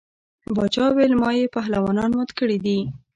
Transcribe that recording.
باچا ویل ما یې پهلوانان مات کړي دي.